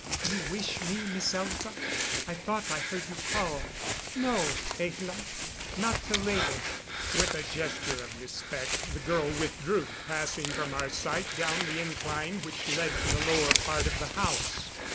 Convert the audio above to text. "You wish me, Miss Elza? I thought I heard you call." "No, Ahla, not 'til later." With a gesture of respect, the girl withdrew, passing from our sight down the incline which led to the lower part of the house.